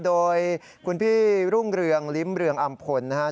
โดยคุณพี่รุ่งเรืองลิ้มเรืองอำพลนะครับ